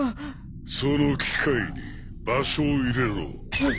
その機械に場所を入れろ。